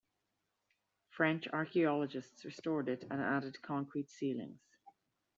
French archaeologists restored it and added concrete ceilings.